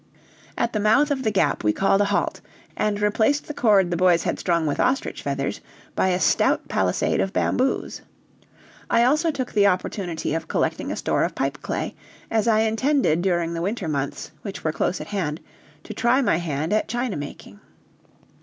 At the mouth of the Gap we called a halt, and replaced the cord the boys had strung with ostrich feathers by a stout palisade of bamboos. I also took the opportunity of collecting a store of pipeclay, as I intended during the winter months, which were close at hand, to try my hand at china making.